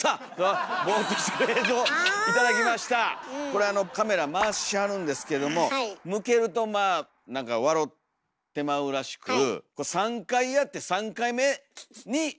これあのカメラ回しはるんですけども向けるとまあ何か笑てまうらしくこう３回やっていや。